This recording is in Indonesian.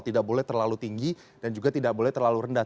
tidak boleh terlalu tinggi dan juga tidak boleh terlalu rendah